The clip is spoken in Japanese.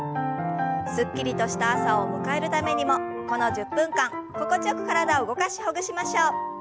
すっきりとした朝を迎えるためにもこの１０分間心地よく体を動かしほぐしましょう。